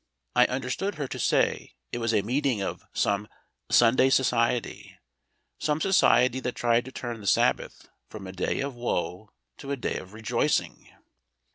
I understood her to say it was a meeting of some "Sunday society," some society that tried to turn the Sabbath from a day of woe to a day of rejoicing.